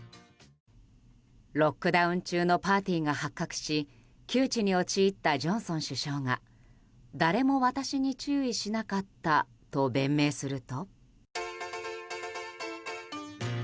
ロックダウン中のパーティーが発覚し、窮地に陥ったジョンソン首相が、誰も私に注意しなかったと弁明すると。